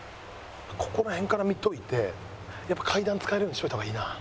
ここら辺から見といてやっぱ階段使えるようにしておいた方がいいな。